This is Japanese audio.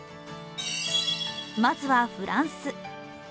まずはフランス。